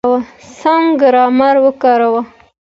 سم ګرامر وکاروئ!.